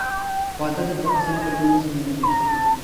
• واده د دوه کسانو تر منځ مینه زیاتوي.